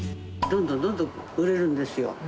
どんどんどんどん売れるんですよ。